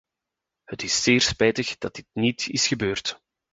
Het is zeer spijtig dat dit niet is gebeurd.